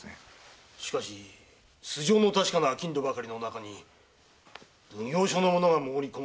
しかし素性の確かな商人ばかりの中に奉行所の者が潜り込むとは考えられんがな。